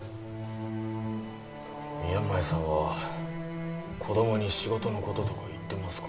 宮前さんは子供に仕事のこととか言ってますか？